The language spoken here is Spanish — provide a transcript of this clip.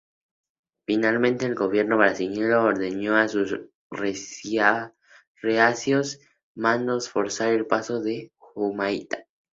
Finalmente el gobierno brasileño ordenó a sus reacios mandos forzar el Paso de Humaitá.